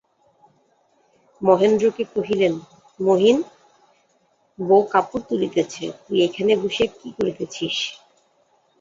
মহেন্দ্রকে কহিলেন, মহিন, বউ কাপড় তুলিতেছে, তুই ওখানে বসিয়া কী করিতেছিস।